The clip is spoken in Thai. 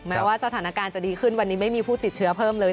แม้ว่าสถานการณ์จะดีขึ้นวันนี้ไม่มีผู้ติดเชื้อเพิ่มเลย